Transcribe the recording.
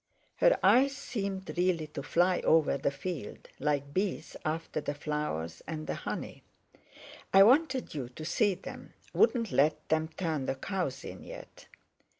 Her eyes seemed really to fly over the field, like bees after the flowers and the honey. "I wanted you to see them—wouldn't let them turn the cows in yet."